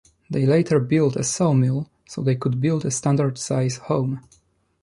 They later built a saw mill so they could build a standard size home.